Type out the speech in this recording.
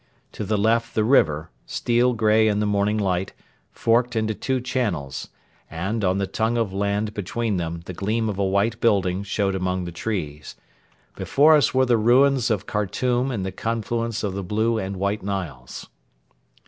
To the left the river, steel grey in the morning light, forked into two channels, and on the tongue of land between them the gleam of a white building showed among the trees. Before us were the ruins of Khartoum and the confluence of the Blue and White Niles.